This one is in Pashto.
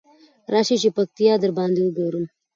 راشی چی پکتيا درباندې وګورم.